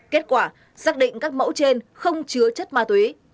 kết quả xác định các mẫu trên không chứa chất ma túy